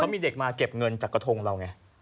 มีเด็กมาเก็บเงินจากกระทงเราไง